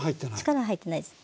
力は入ってないです